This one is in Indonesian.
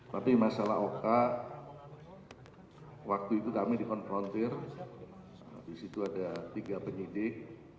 tapi masalah oka waktu itu kami dikonfrontir disitu ada tiga pendidik